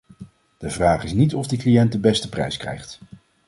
De vraag is niet of de cliënt de beste prijs krijgt.